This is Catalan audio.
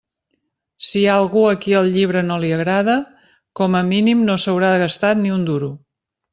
Si hi ha algú a qui el llibre no li agrada, com a mínim no s'haurà gastat ni un duro.